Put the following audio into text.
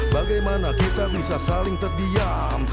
bagaimana kita bisa saling terdiam